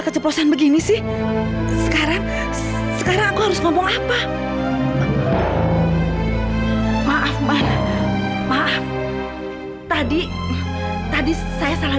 keceplosan begini sih sekarang sekarang aku harus ngomong apa maaf mbak maaf tadi tadi saya salah